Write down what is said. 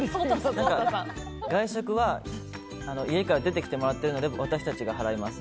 外食は家から出てきてもらっているので私たちが払います。